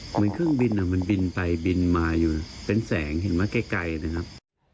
เหมือนเครื่องบินมันบินไปบินมาอยู่เป็นแสงเห็นไหมไกลนะครับ